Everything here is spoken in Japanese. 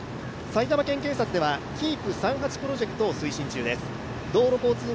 埼玉県警察では「ＫＥＥＰ３８プロジェクト」を推進中です。